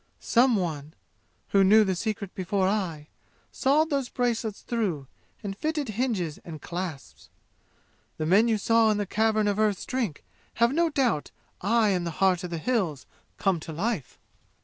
Some one, who knew the secret before I, sawed those bracelets through and fitted hinges and clasps. The men you saw in the Cavern of Earth's Drink have no doubt I am the 'Heart of the Hills' come to life!